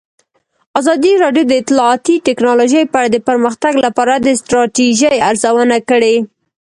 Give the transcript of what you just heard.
ازادي راډیو د اطلاعاتی تکنالوژي په اړه د پرمختګ لپاره د ستراتیژۍ ارزونه کړې.